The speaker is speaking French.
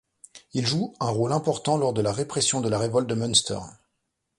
Il joue un rôle important lors de la répression de la révolte de Münster.